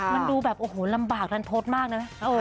มันดูแบบโอ้โหลำบากทันทดมากนะ